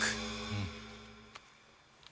うん！